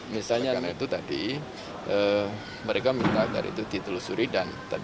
misalnya itu tadi mereka minta dari itu ditelusuri dan tadi disampaikan